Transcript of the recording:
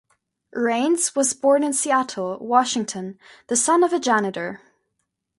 Raines was born in Seattle, Washington, the son of a janitor.